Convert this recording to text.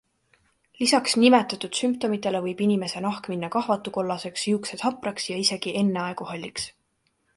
Lisaks nimetatud sümptomitele võib inimese nahk minna kahvatukollaseks, juuksed hapraks ja isegi enneaegu halliks.